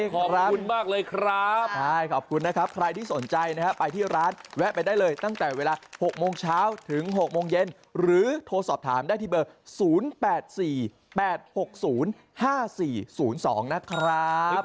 ขอบคุณมากเลยครับใช่ขอบคุณนะครับใครที่สนใจนะครับไปที่ร้านแวะไปได้เลยตั้งแต่เวลา๖โมงเช้าถึง๖โมงเย็นหรือโทรสอบถามได้ที่เบอร์๐๘๔๘๖๐๕๔๐๒นะครับ